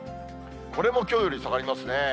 これもきょうより下がりますね。